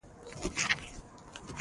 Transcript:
د احمد مور خپلو زمنو ته لمنه وغوړوله.